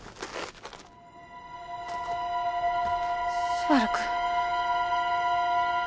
昴くん。